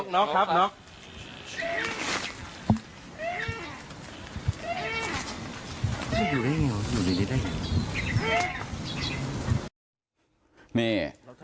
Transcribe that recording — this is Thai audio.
นกครับนก